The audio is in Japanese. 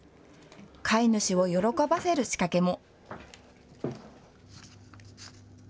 飼い主を喜ばせる仕掛けも。